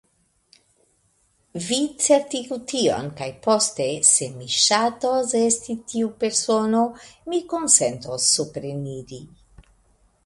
Vi certigu tion, kaj poste, se mi ŝatos esti tiu persono, mi konsentos supreniri.